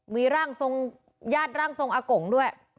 มีร่างทรงญาติร่างทรงอากงด้วย